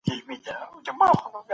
مشر په کوم ځای کي کښیني؟